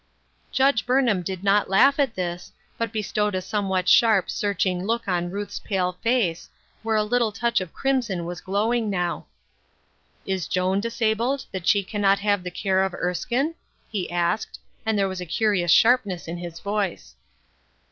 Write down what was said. Judge Burnham did not laugh at this, but be stowed a somewhat sharp, searching look on Ruth's pale face, where a little touch of crimson was glowing now. " Is Joan disabled, that she can not have the care of Erskine ?" he asked, and there was a curious sharpness in his voice.